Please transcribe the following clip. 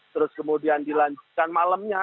terus kemudian dilanjutkan malamnya